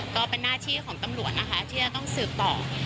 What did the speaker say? ก็เป็นหน้าที่ของตำรวจนะคะที่จะต้องสืบต่อ